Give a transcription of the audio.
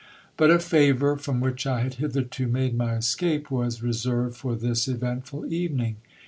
But a favour, from which I had hitherto made my escape, was reserved for this eventful evening.